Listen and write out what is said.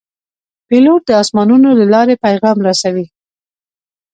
پیلوټ د آسمانونو له لارې پیغام رسوي.